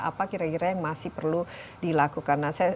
apa kira kira yang masih perlu dilakukan